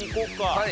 はい。